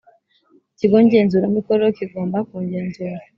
Ikigo ngenzuramikorere kigomba kungenzura